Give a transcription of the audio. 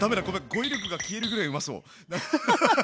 語彙力が消えるぐらいうまそう！